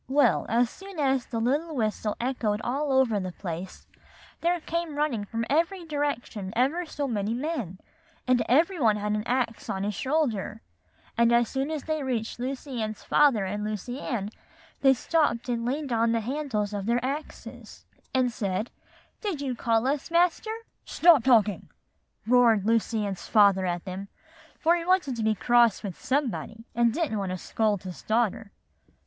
Well, as soon as the whistle echoed all over the place, there came running from every direction ever so many men, and every one had an axe on his shoulder; and as soon as they reached Lucy Ann's father and Lucy Ann, they stopped and leaned on the handles of their axes, and said, 'Did you call us, Master?' "'Stop talking,' roared Lucy Ann's father at them; for he wanted to be cross with somebody, and he didn't want to scold his daughter.